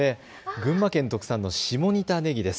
群馬県特産の下仁田ねぎです。